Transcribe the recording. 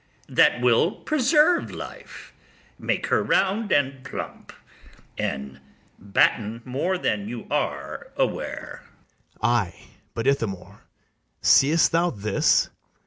that will preserve life, make her round and plump, and batten more than you are aware. BARABAS. Ay, but, Ithamore, seest thou this?